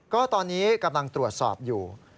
ก็ตอนนี้กำลังตรวจสอบอยู่